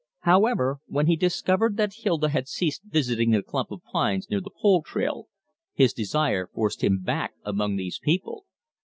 However, when he discovered that Hilda had ceased visiting the clump of pines near the pole trail, his desire forced him back among these people.